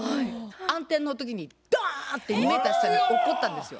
暗転の時にダーンって２メーター下に落っこったんですよ。